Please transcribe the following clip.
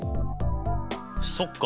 そっか！